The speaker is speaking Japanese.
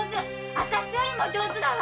あたしよりも上手だわ。